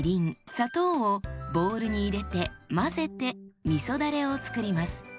砂糖をボウルに入れて混ぜてみそだれを作ります。